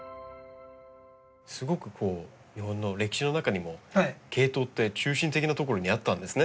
すごく日本の歴史の中にもケイトウって中心的なところにあったんですね。